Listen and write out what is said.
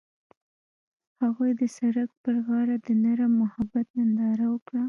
هغوی د سړک پر غاړه د نرم محبت ننداره وکړه.